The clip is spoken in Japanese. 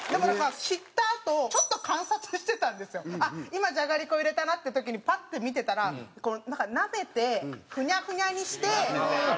今じゃがりこ入れたなって時にパッて見てたらなんかなめてフニャフニャにして食べてて。